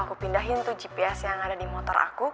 aku pindahin tuh gps yang ada di motor aku